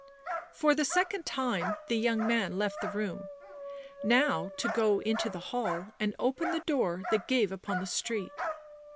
For the second time the young man left the room, now to go into the hall and open the door that gave upon the street.